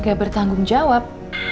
gak bertanggung jawab